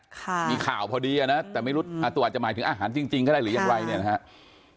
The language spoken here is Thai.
มีข่าวพอดีนะเนาะอาตุวัดจนจะหมายถึงอาหารจริงก็ได้หรือยักไหร่เนี่ยนะครับ